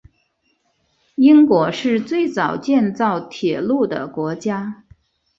英国是最早建造铁路的国家。